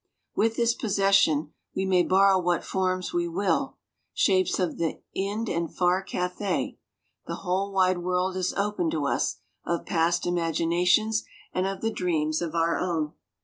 With this possession we may borrow what forms we will shapes of the Ind and far Cathay the whole wide world is open to us of past imaginations and of the dreams of our own.